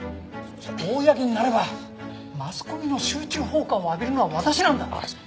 公になればマスコミの集中砲火を浴びるのは私なんだ。